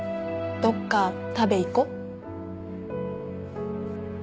どっか食べ行こ。